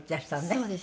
そうです。